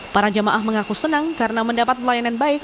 para jamaah mengaku senang karena mendapat pelayanan baik